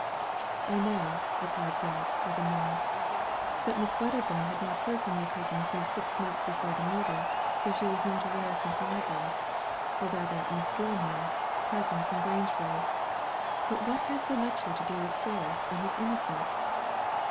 "I know," replied Gebb, with a nod. "But Miss Wedderbum had not heard from your cousin since six months before the murder ; so she was not aware of Miss Ligram's — or rather Miss Gilmar*s — presence in Grangebury. But what has the lecture to do with Ferris and his innocence